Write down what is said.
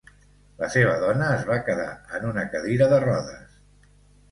La seva dona es va quedar en una cadira de rodes.